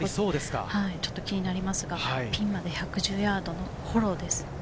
ちょっと気になりますがピンまで１１０ヤード、フォローです。